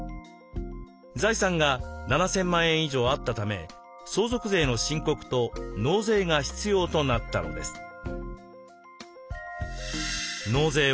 財産が７，０００万円以上あったため相続税の申告と納税が必要となったのです。